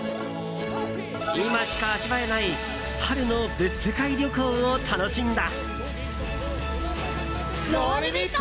今しか味わえない春の別世界旅行を楽しんだ。